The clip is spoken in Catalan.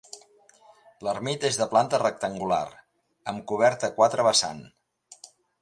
L'ermita és de planta rectangular, amb coberta a quatre vessant.